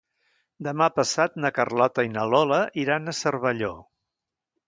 Demà passat na Carlota i na Lola iran a Cervelló.